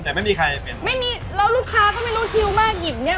แต่ไม่มีใครเป็นไม่มีแล้วลูกค้าก็ไม่รู้ชิวมากหยิบเนี้ย